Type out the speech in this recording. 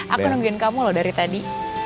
aku nungguin kamu loh dari tadi